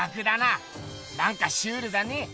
なんかシュールだね。